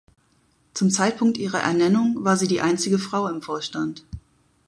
Zum Zeitpunkt ihrer Ernennung war sie die einzige Frau im Vorstand.